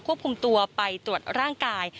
คุมตัวไปตรวจร่างกาย